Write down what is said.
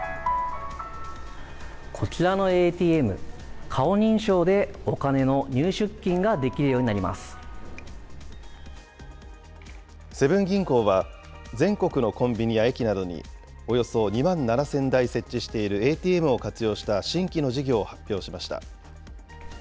こちらのＡＴＭ、顔認証でお金の入出金ができるようになりまセブン銀行は、全国のコンビニや駅などに、およそ２万７０００台設置しているＡＴＭを活用した新規の事業を発表しました。